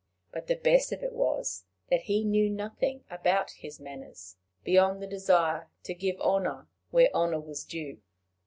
But the best of it was, that he knew nothing about his manners, beyond the desire to give honor where honor was due.